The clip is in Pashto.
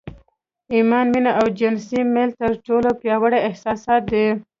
ايمان، مينه او جنسي ميل تر ټولو پياوړي احساسات دي.